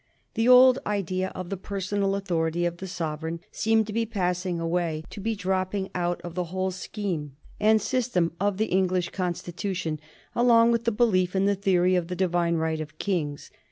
The old idea of the personal authority of the sovereign seemed to be passing away, to be dropping out of the whole scheme and system of the English Constitution along with the belief in the theory of the Divine right of kings.